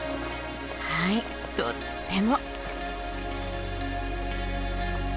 はいとっても。